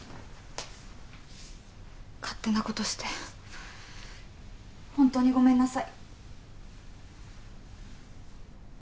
勝手なことしてホントにごめんなさい。